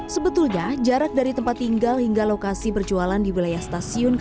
sebetulnya jarak dari tempat tinggal hingga lokasi berjualan di wilayah stasiun